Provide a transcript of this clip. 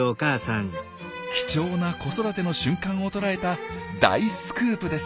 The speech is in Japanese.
貴重な子育ての瞬間を捉えた大スクープです。